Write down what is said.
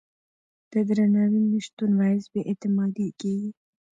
د درناوي نه شتون باعث بې اعتمادي کېږي.